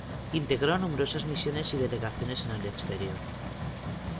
Integró numerosas misiones y delegaciones en el exterior.